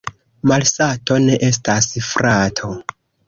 Malsato ne estas frato.